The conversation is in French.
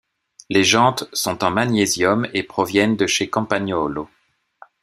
Les jantes sont en magnésium et proviennent de chez Campagnolo.